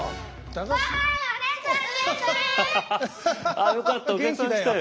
ああよかったお客さん来たよ。